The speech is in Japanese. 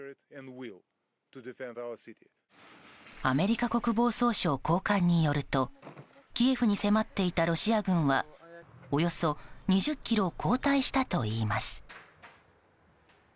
アメリカ国防総省高官によるとキエフに迫っていたロシア軍はおよそ２０ｋｍ後退したといいます。